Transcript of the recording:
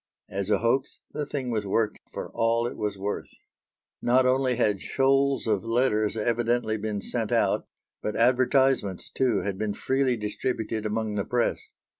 As a hoax the thing was worked for all it was worth. Not only had shoals of letters evidently been sent out, but advertisements, too, had been freely distributed among the press.